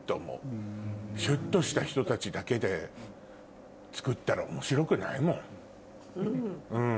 シュっとした人たちだけで作ったら面白くないもん。